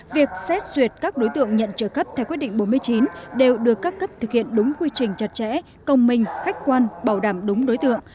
việc xét duyệt các đối tượng nhận trợ cấp theo quyết định bốn mươi chín đều được các cấp thực hiện đúng quy trình chặt chẽ công minh khách quan bảo đảm đúng đối tượng